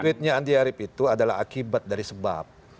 tugasnya andi harip itu adalah akibat dari sebab